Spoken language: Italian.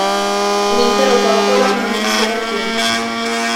Un intero popolo non esisteva più.